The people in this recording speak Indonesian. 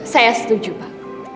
saya setuju pak